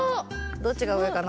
どっちがしたかな？